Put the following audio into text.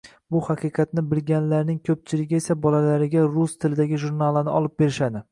Bu haqiqatni bilganlarning ko‘pchiligi esa bolalariga rus tilidagi jurnallarni olib berishadi.